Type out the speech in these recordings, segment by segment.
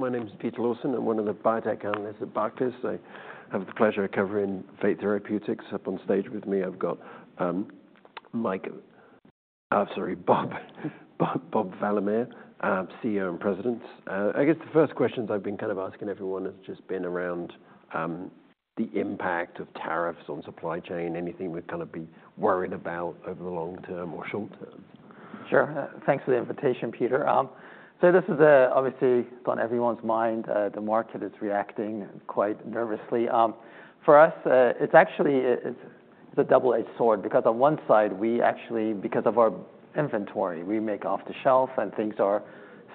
My name is Pete Lawson. I'm one of the biotech analysts at Barclays. I have the pleasure of covering Fate Therapeutics. Up on stage with me, I've got Mike, I'm sorry, Bob, Bob Valamehr, CEO and President. I guess the first questions I've been kind of asking everyone has just been around the impact of tariffs on supply chain, anything we've kind of been worried about over the long term or short term. Sure. Thanks for the invitation, Peter. This is obviously on everyone's mind. The market is reacting quite nervously. For us, it's actually a double-edged sword because on one side, we actually, because of our inventory, we make off the shelf and things are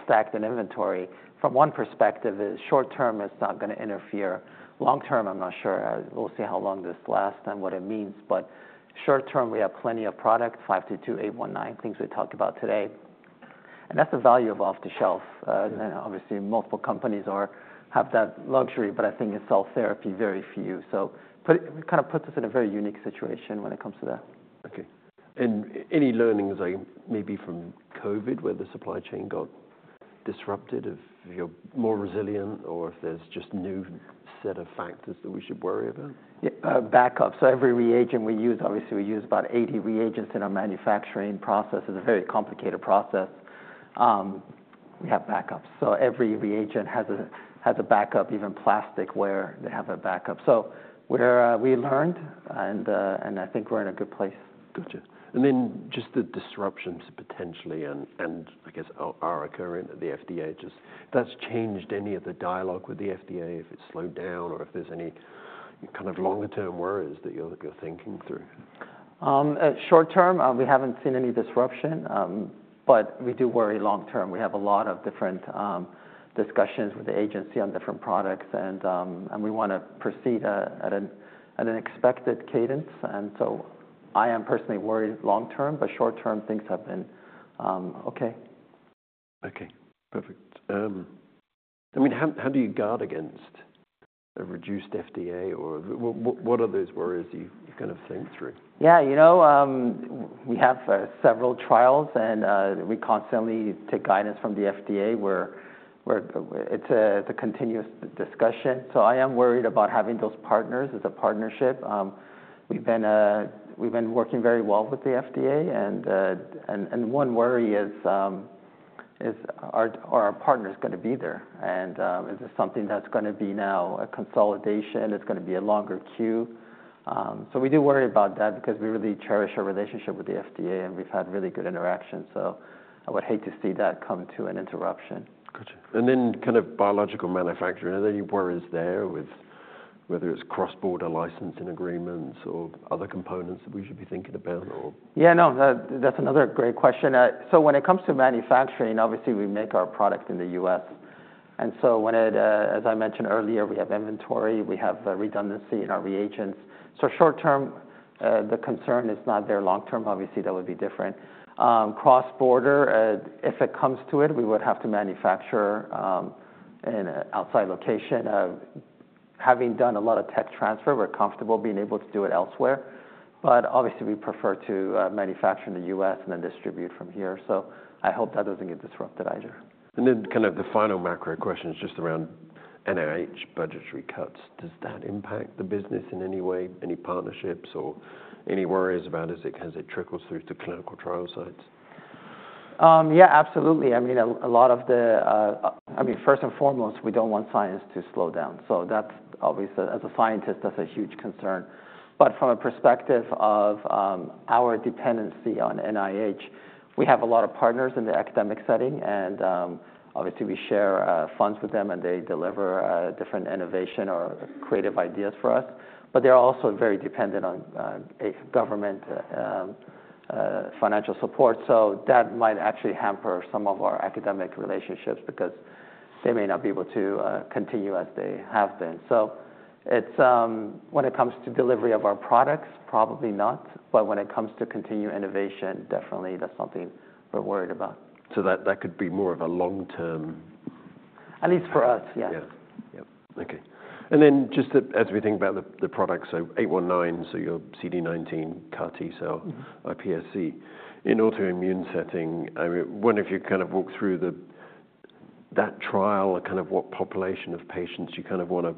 stacked in inventory. From one perspective, short term is not going to interfere. Long term, I'm not sure. We'll see how long this lasts and what it means. Short term, we have plenty of product, 522, 819, things we talked about today. That's the value of off the shelf. Obviously multiple companies have that luxury, but I think in cell therapy, very few. It kind of puts us in a very unique situation when it comes to that. Okay. Any learnings maybe from COVID where the supply chain got disrupted, if you're more resilient or if there's just a new set of factors that we should worry about? Yeah. Backup. Every reagent we use, obviously we use about 80 reagents in our manufacturing process. It's a very complicated process. We have backups. Every reagent has a backup, even plasticware, they have a backup. We learned and I think we're in a good place. Gotcha. Just the disruptions potentially and I guess are occurring at the FDA, just that's changed any of the dialogue with the FDA if it's slowed down or if there's any kind of longer term worries that you're thinking through? Short term, we haven't seen any disruption, but we do worry long term. We have a lot of different discussions with the agency on different products and we want to proceed at an expected cadence. I am personally worried long term, but short term things have been okay. Okay. Perfect. I mean, how do you guard against a reduced FDA or what are those worries you kind of think through? Yeah, you know, we have several trials and we constantly take guidance from the FDA where it's a continuous discussion. I am worried about having those partners as a partnership. We've been working very well with the FDA and one worry is, are our partners going to be there? Is this something that's going to be now a consolidation? It's going to be a longer queue. We do worry about that because we really cherish our relationship with the FDA and we've had really good interactions. I would hate to see that come to an interruption. Gotcha. And then kind of biological manufacturing, are there any worries there with whether it's cross-border licensing agreements or other components that we should be thinking about? Yeah, no, that's another great question. When it comes to manufacturing, obviously we make our product in the U.S. As I mentioned earlier, we have inventory, we have redundancy in our reagents. Short term, the concern is not there. Long term, obviously that would be different. Cross-border, if it comes to it, we would have to manufacture in an outside location. Having done a lot of tech transfer, we're comfortable being able to do it elsewhere. Obviously we prefer to manufacture in the U.S. and then distribute from here. I hope that doesn't get disrupted either. Kind of the final macro question is just around NIH budgetary cuts. Does that impact the business in any way, any partnerships or any worries about as it trickles through to clinical trial sites? Yeah, absolutely. I mean, a lot of the, I mean, first and foremost, we don't want science to slow down. That's obviously, as a scientist, a huge concern. From a perspective of our dependency on NIH, we have a lot of partners in the academic setting and obviously we share funds with them and they deliver different innovation or creative ideas for us. They're also very dependent on government financial support. That might actually hamper some of our academic relationships because they may not be able to continue as they have been. When it comes to delivery of our products, probably not. When it comes to continued innovation, definitely that's something we're worried about. That could be more of a long term. At least for us, yes. Yeah. Yep. Okay. Just as we think about the product, so 819, so your CD19 CAR T cell iPSC in autoimmune setting, I mean, when have you kind of walked through that trial and kind of what population of patients you kind of want to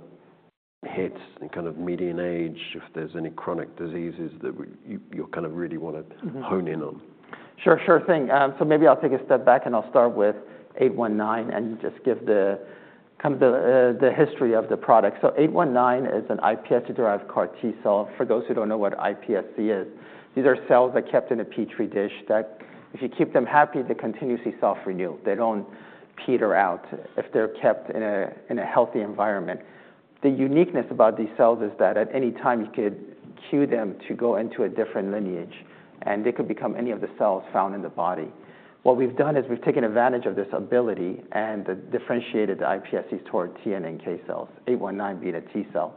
hit and kind of median age if there's any chronic diseases that you kind of really want to hone in on? Sure, sure thing. Maybe I'll take a step back and I'll start with 819 and just give the kind of the history of the product. 819 is an iPSC-derived CAR T cell. For those who don't know what iPSC is, these are cells that are kept in a Petri dish that if you keep them happy, they continuously self-renew. They don't peter out if they're kept in a healthy environment. The uniqueness about these cells is that at any time you could cue them to go into a different lineage and they could become any of the cells found in the body. What we've done is we've taken advantage of this ability and differentiated the iPSCs toward T and NK cells, 819 being a T cell.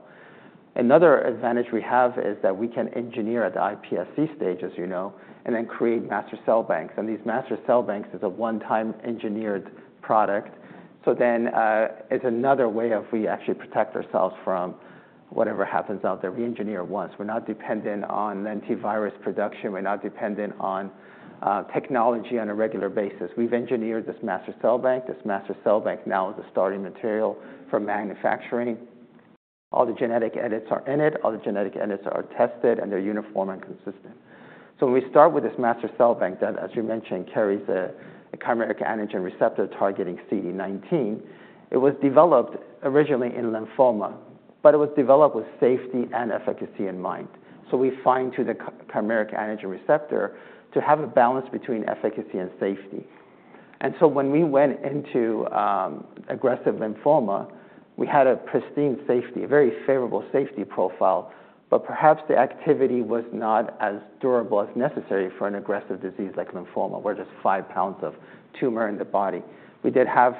Another advantage we have is that we can engineer at the iPSC stage, as you know, and then create master cell banks. These master cell banks are a one-time engineered product. It is another way we actually protect ourselves from whatever happens out there. We engineer once. We are not dependent on antivirus production. We are not dependent on technology on a regular basis. We have engineered this master cell bank. This master cell bank now is a starting material for manufacturing. All the genetic edits are in it. All the genetic edits are tested and they are uniform and consistent. When we start with this master cell bank that, as you mentioned, carries a chimeric antigen receptor targeting CD19, it was developed originally in lymphoma, but it was developed with safety and efficacy in mind. We fine-tune the chimeric antigen receptor to have a balance between efficacy and safety. When we went into aggressive lymphoma, we had a pristine safety, a very favorable safety profile, but perhaps the activity was not as durable as necessary for an aggressive disease like lymphoma. With just five pounds of tumor in the body, we did have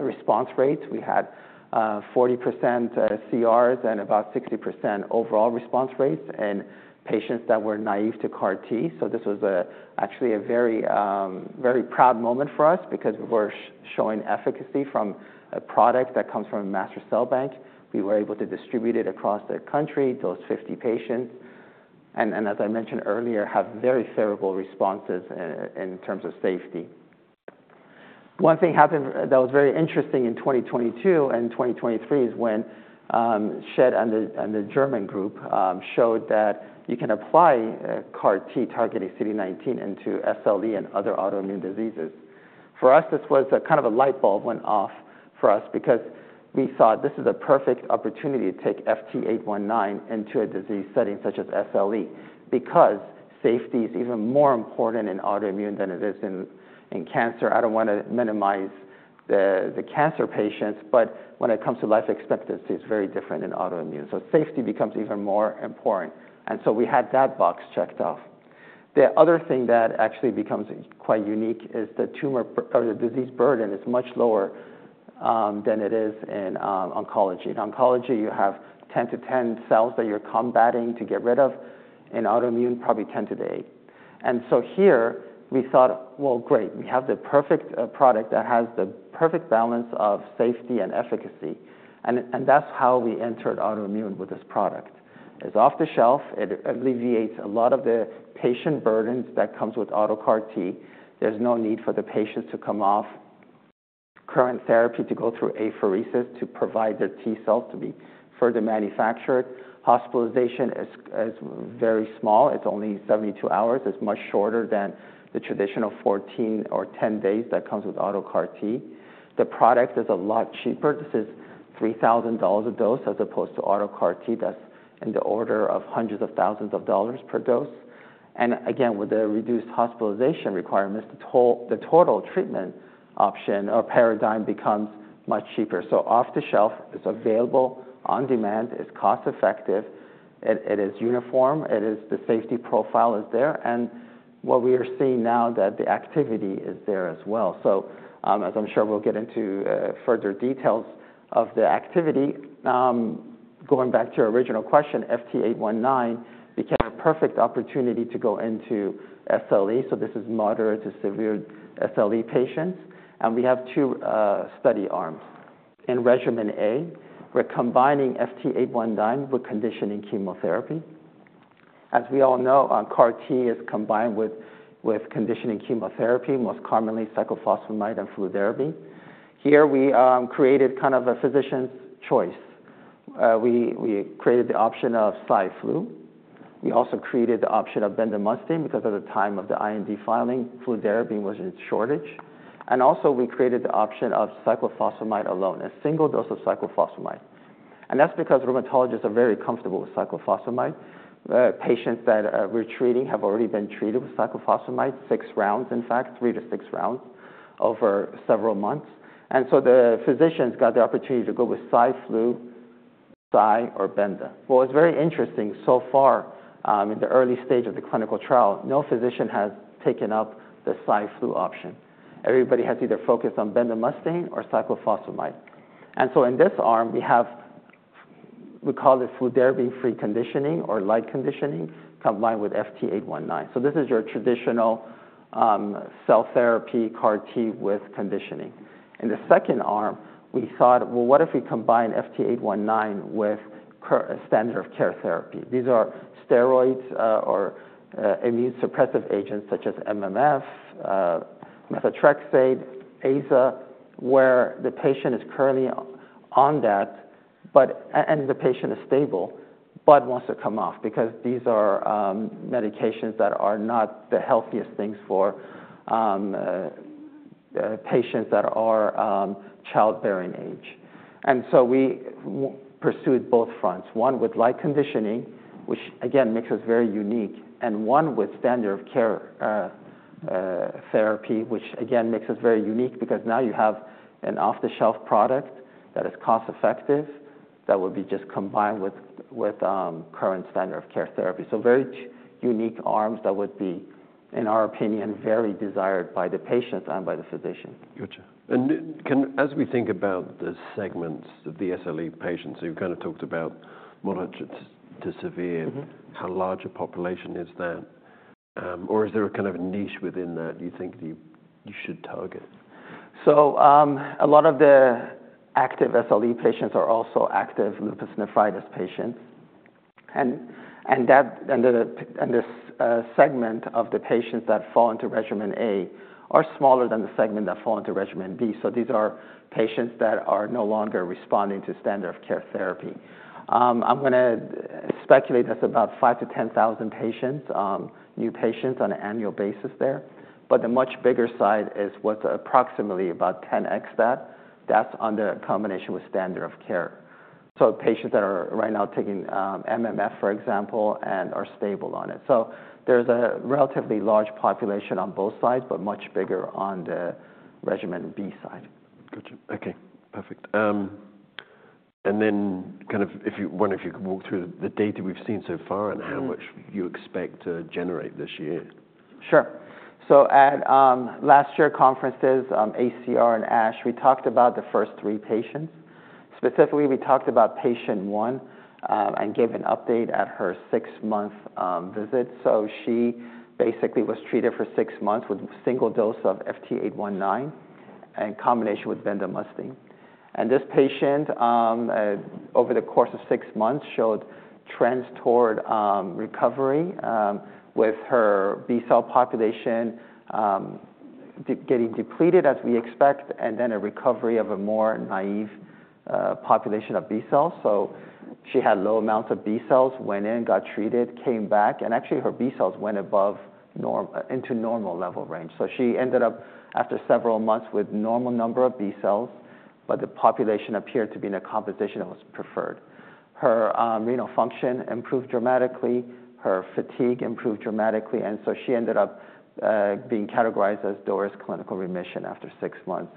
response rates. We had 40% CRs and about 60% overall response rates in patients that were naive to CAR T. This was actually a very proud moment for us because we were showing efficacy from a product that comes from a master cell bank. We were able to distribute it across the country, those 50 patients. As I mentioned earlier, we had very favorable responses in terms of safety. One thing happened that was very interesting in 2022 and 2023 is when Schett and the German group showed that you can apply CAR T targeting CD19 into SLE and other autoimmune diseases. For us, this was kind of a light bulb went off for us because we thought this is a perfect opportunity to take FT819 into a disease setting such as SLE because safety is even more important in autoimmune than it is in cancer. I do not want to minimize the cancer patients, but when it comes to life expectancy, it is very different in autoimmune. Safety becomes even more important. We had that box checked off. The other thing that actually becomes quite unique is the tumor or the disease burden is much lower than it is in oncology. In oncology, you have 10 to the 10 cells that you are combating to get rid of. In autoimmune, probably 10 to the 8. Here we thought, great, we have the perfect product that has the perfect balance of safety and efficacy. That's how we entered autoimmune with this product. It's off the shelf. It alleviates a lot of the patient burdens that comes with auto CAR T. There's no need for the patients to come off current therapy to go through apheresis to provide the T cells to be further manufactured. Hospitalization is very small. It's only 72 hours. It's much shorter than the traditional 14 or 10 days that comes with auto CAR T. The product is a lot cheaper. This is $3,000 a dose as opposed to auto CAR T. That's in the order of hundreds of thousands of dollars per dose. Again, with the reduced hospitalization requirements, the total treatment option or paradigm becomes much cheaper. Off the shelf is available on demand. It's cost effective. It is uniform. The safety profile is there. What we are seeing now, that the activity is there as well. As I'm sure we'll get into further details of the activity. Going back to your original question, FT819 became a perfect opportunity to go into SLE. This is moderate to severe SLE patients. We have two study arms. In regimen A, we're combining FT819 with conditioning chemotherapy. As we all know, CAR T is combined with conditioning chemotherapy, most commonly cyclophosphamide and flu therapy. Here we created kind of a physician's choice. We created the option of Cy/Flu. We also created the option of bendamustine because at the time of the IND filing, flu therapy was in shortage. Also we created the option of cyclophosphamide alone, a single dose of cyclophosphamide. That's because rheumatologists are very comfortable with cyclophosphamide. Patients that we're treating have already been treated with cyclophosphamide, six rounds in fact, three to six rounds over several months. The physicians got the opportunity to go with flu, cyclophosphamide, or bendamustine. What was very interesting so far in the early stage of the clinical trial, no physician has taken up the flu option. Everybody has either focused on bendamustine or cyclophosphamide. In this arm, we have what we call flu therapy free conditioning or light conditioning combined with FT819. This is your traditional cell therapy CAR T with conditioning. In the second arm, we thought, what if we combine FT819 with standard of care therapy? These are steroids or immune suppressive agents such as MMF, methotrexate, AZA, where the patient is currently on that, and the patient is stable, but wants to come off because these are medications that are not the healthiest things for patients that are childbearing age. We pursued both fronts. One with light conditioning, which again makes us very unique, and one with standard of care therapy, which again makes us very unique because now you have an off-the-shelf product that is cost effective that would be just combined with current standard of care therapy. Very unique arms that would be, in our opinion, very desired by the patients and by the physician. Gotcha. As we think about the segments of the SLE patients, you kind of talked about moderate to severe. How large a population is that? Is there a kind of niche within that you think you should target? A lot of the active SLE patients are also active lupus nephritis patients. This segment of the patients that fall into regimen A are smaller than the segment that fall into regimen B. These are patients that are no longer responding to standard of care therapy. I'm going to speculate that's about 5,000-10,000 patients, new patients on an annual basis there. The much bigger side is what's approximately about 10X that. That's under a combination with standard of care. Patients that are right now taking MMF, for example, and are stable on it. There's a relatively large population on both sides, but much bigger on the regimen B side. Gotcha. Okay. Perfect. If you wonder if you could walk through the data we've seen so far and how much you expect to generate this year. Sure. At last year conferences, ACR and ASH, we talked about the first three patients. Specifically, we talked about patient one and gave an update at her six-month visit. She basically was treated for six months with a single dose of FT819 in combination with bendamustine. This patient, over the course of six months, showed trends toward recovery with her B cell population getting depleted as we expect, and then a recovery of a more naive population of B cells. She had low amounts of B cells, went in, got treated, came back, and actually her B cells went above into normal level range. She ended up after several months with a normal number of B cells, but the population appeared to be in a composition that was preferred. Her renal function improved dramatically. Her fatigue improved dramatically. She ended up being categorized as DORIS clinical remission after six months.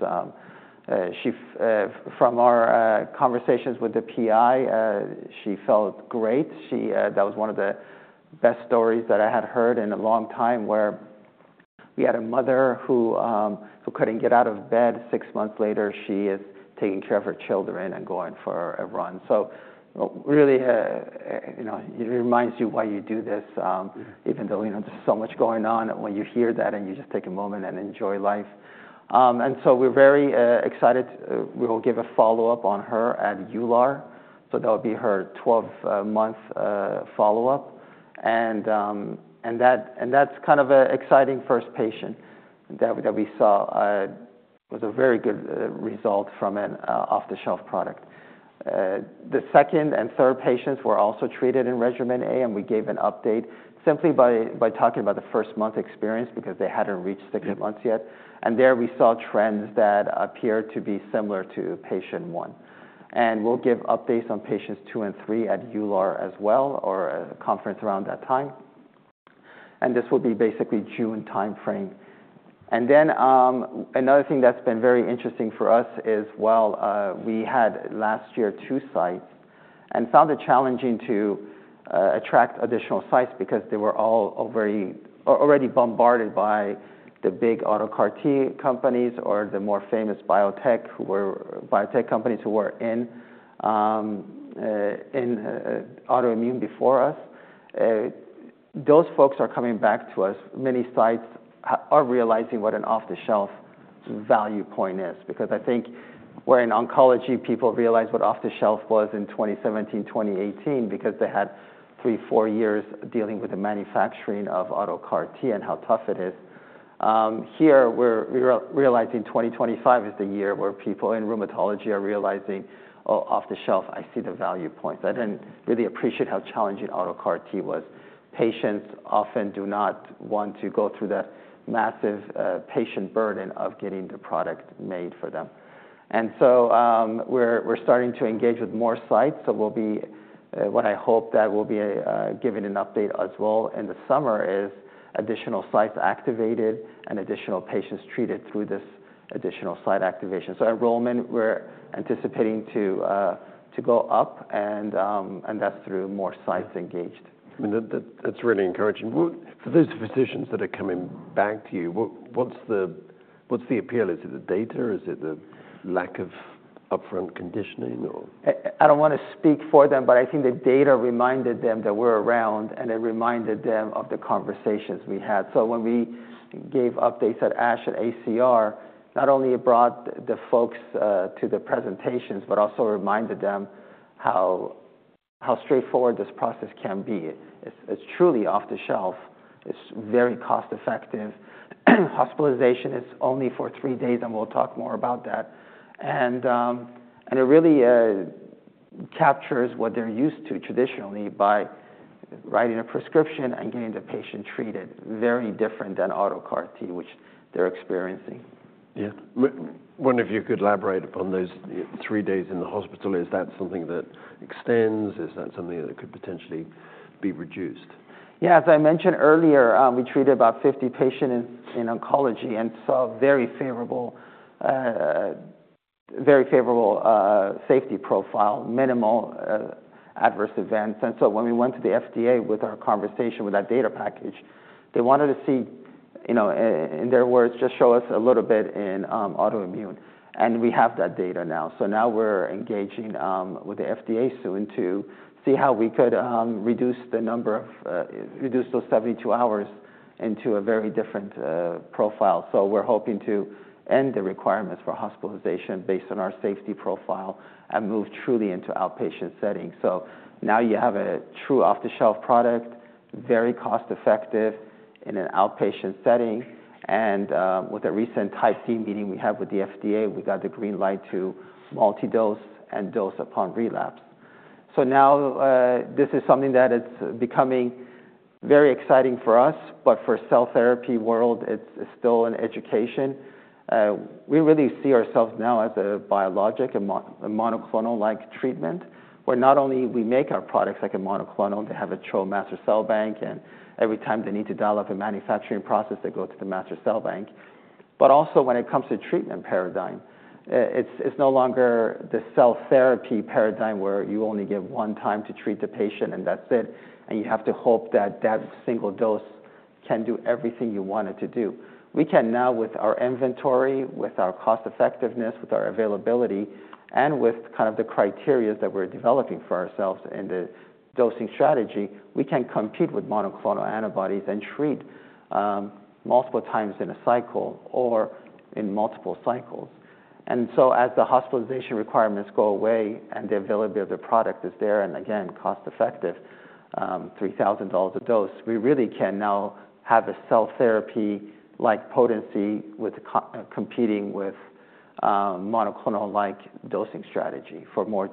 From our conversations with the PI, she felt great. That was one of the best stories that I had heard in a long time where we had a mother who could not get out of bed. Six months later, she is taking care of her children and going for a run. It really reminds you why you do this, even though there is so much going on when you hear that and you just take a moment and enjoy life. We are very excited. We will give a follow-up on her at EULAR. That will be her 12-month follow-up. That is an exciting first patient that we saw. It was a very good result from an off-the-shelf product. The second and third patients were also treated in regimen A, and we gave an update simply by talking about the first month experience because they hadn't reached six months yet. There we saw trends that appeared to be similar to patient one. We'll give updates on patients two and three at EULAR as well or a conference around that time. This will be basically June timeframe. Another thing that's been very interesting for us is, last year we had two sites and found it challenging to attract additional sites because they were all already bombarded by the big auto CAR T companies or the more famous biotech companies who were in autoimmune before us. Those folks are coming back to us. Many sites are realizing what an off-the-shelf value point is because I think where in oncology people realized what off-the-shelf was in 2017, 2018 because they had three, four years dealing with the manufacturing of auto CAR T and how tough it is. Here, we're realizing 2025 is the year where people in rheumatology are realizing, oh, off-the-shelf, I see the value points. I didn't really appreciate how challenging auto CAR T was. Patients often do not want to go through the massive patient burden of getting the product made for them. We're starting to engage with more sites. What I hope that we'll be giving an update as well in the summer is additional sites activated and additional patients treated through this additional site activation. Enrollment, we're anticipating to go up, and that's through more sites engaged. That's really encouraging. For those physicians that are coming back to you, what's the appeal? Is it the data? Is it the lack of upfront conditioning? I don't want to speak for them, but I think the data reminded them that we're around, and it reminded them of the conversations we had. When we gave updates at ASH and ACR, it not only brought the folks to the presentations, but also reminded them how straightforward this process can be. It's truly off the shelf. It's very cost effective. Hospitalization is only for three days, and we'll talk more about that. It really captures what they're used to traditionally by writing a prescription and getting the patient treated, very different than auto CAR T, which they're experiencing. Yeah. Wonder if you could elaborate upon those three days in the hospital. Is that something that extends? Is that something that could potentially be reduced? Yeah. As I mentioned earlier, we treated about 50 patients in oncology and saw a very favorable safety profile, minimal adverse events. When we went to the FDA with our conversation with that data package, they wanted to see, in their words, just show us a little bit in autoimmune. We have that data now. Now we're engaging with the FDA soon to see how we could reduce those 72 hours into a very different profile. We're hoping to end the requirements for hospitalization based on our safety profile and move truly into outpatient settings. Now you have a true off-the-shelf product, very cost effective in an outpatient setting. With a recent type D meeting we had with the FDA, we got the green light to multidose and dose upon relapse. This is something that is becoming very exciting for us, but for the cell therapy world, it is still an education. We really see ourselves now as a biologic and monoclonal-like treatment, where not only do we make our products like a monoclonal, they have a true master cell bank, and every time they need to dial up a manufacturing process, they go to the master cell bank. Also, when it comes to treatment paradigm, it is no longer the cell therapy paradigm where you only give one time to treat the patient and that is it. You have to hope that that single dose can do everything you want it to do. We can now, with our inventory, with our cost effectiveness, with our availability, and with kind of the criteria that we're developing for ourselves in the dosing strategy, we can compete with monoclonal antibodies and treat multiple times in a cycle or in multiple cycles. As the hospitalization requirements go away and the availability of the product is there and again, cost effective, $3,000 a dose, we really can now have a cell therapy-like potency competing with monoclonal-like dosing strategy for more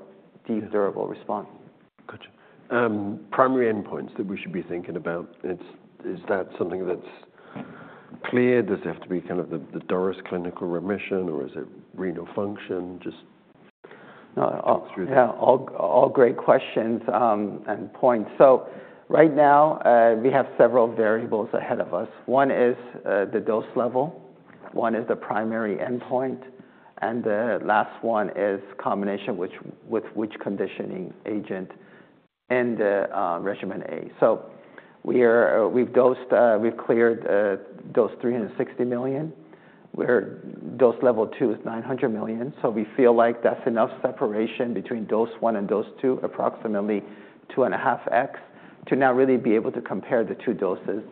deep durable response. Gotcha. Primary endpoints that we should be thinking about, is that something that's clear? Does it have to be kind of the DORIS clinical remission, or is it renal function? Just think through that. Yeah. All great questions and points. Right now, we have several variables ahead of us. One is the dose level. One is the primary endpoint. The last one is combination with which conditioning agent in regimen A. We have cleared dose 360 million. Dose level two is 900 million. We feel like that's enough separation between dose one and dose two, approximately two and a half X, to now really be able to compare the two doses.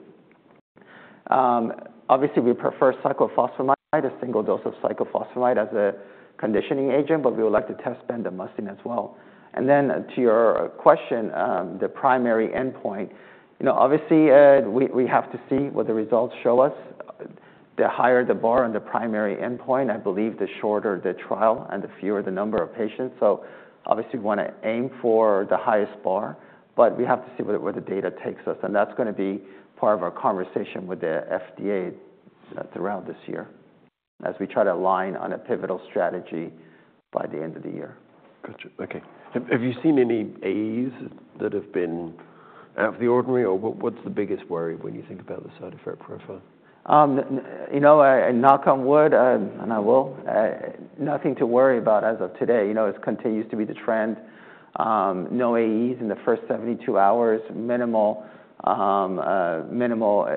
Obviously, we prefer cyclophosphamide, a single dose of cyclophosphamide as a conditioning agent, but we would like to test bendamustine as well. To your question, the primary endpoint, obviously, we have to see what the results show us. The higher the bar on the primary endpoint, I believe the shorter the trial and the fewer the number of patients. Obviously, we want to aim for the highest bar, but we have to see where the data takes us. That is going to be part of our conversation with the FDA throughout this year as we try to align on a pivotal strategy by the end of the year. Gotcha. Okay. Have you seen any AEs that have been out of the ordinary, or what's the biggest worry when you think about the cytokine profile? Knock on wood, and I will. Nothing to worry about as of today. It continues to be the trend. No AEs in the first 72 hours, minimal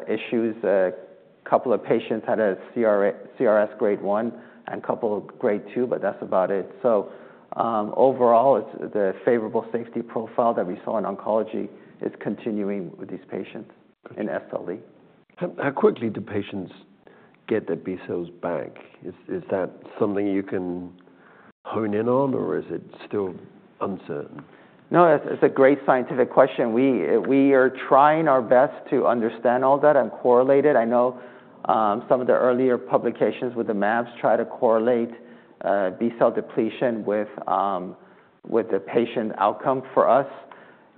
issues. A couple of patients had a CRS grade one and a couple of grade two, but that's about it. Overall, the favorable safety profile that we saw in oncology is continuing with these patients in SLE. How quickly do patients get their B cells back? Is that something you can hone in on, or is it still uncertain? No, it's a great scientific question. We are trying our best to understand all that and correlate it. I know some of the earlier publications with the mAbs try to correlate B cell depletion with the patient outcome. For us,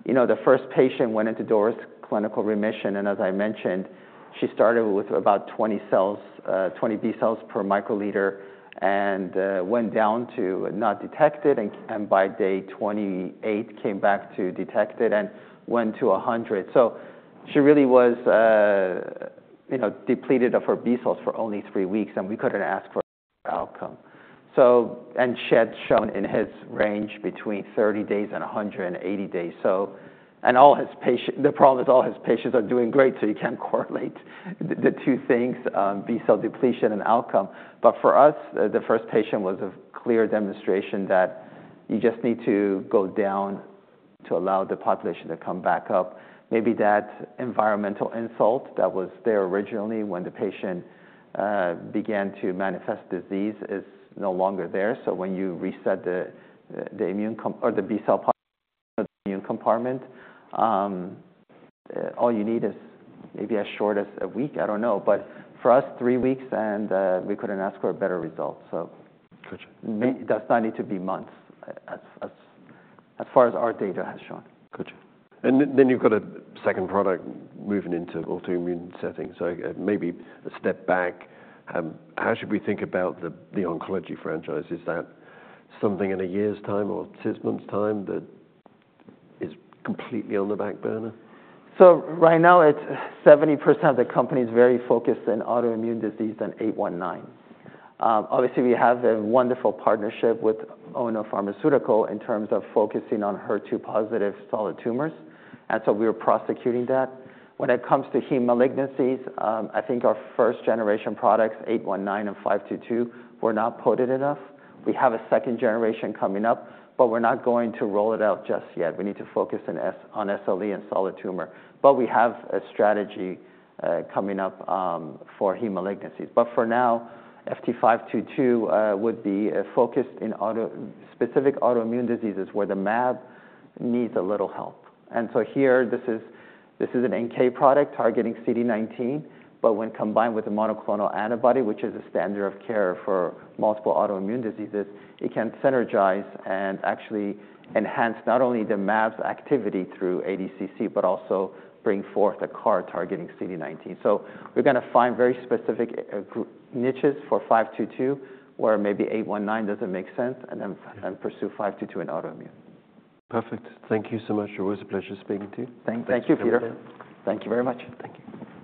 the first patient went into DORIS clinical remission, and as I mentioned, she started with about 20 B cells per microliter, and went down to not detected, and by day 28, came back to detected and went to 100. She really was depleted of her B cells for only three weeks, and we couldn't ask for outcome. She had shown in this range between 30 days and 180 days. The problem is all these patients are doing great, so you can't correlate the two things, B cell depletion and outcome. For us, the first patient was a clear demonstration that you just need to go down to allow the population to come back up. Maybe that environmental insult that was there originally when the patient began to manifest disease is no longer there. When you reset the B cell compartment, all you need is maybe as short as a week. I don't know. For us, three weeks, and we couldn't ask for a better result. It does not need to be months as far as our data has shown. Gotcha. You have got a second product moving into autoimmune setting. Maybe a step back. How should we think about the oncology franchise? Is that something in a year's time or six months' time that is completely on the back burner? Right now, 70% of the company is very focused in autoimmune disease and 819. Obviously, we have a wonderful partnership with Ono Pharmaceutical in terms of focusing on HER2 positive solid tumors. We are prosecuting that. When it comes to heme malignancies, I think our first generation products, 819 and 522, were not potent enough. We have a second generation coming up, but we're not going to roll it out just yet. We need to focus on SLE and solid tumor. We have a strategy coming up for heme malignancies. For now, FT522 would be focused in specific autoimmune diseases where the mAb needs a little help. Here, this is an NK product targeting CD19, but when combined with a monoclonal antibody, which is a standard of care for multiple autoimmune diseases, it can synergize and actually enhance not only the mAb's activity through ADCC, but also bring forth a CAR targeting CD19. We are going to find very specific niches for 522 where maybe 819 does not make sense and pursue 522 in autoimmune. Perfect. Thank you so much. It was a pleasure speaking to you. Thank you, Pete. Thank you very much. Thank you.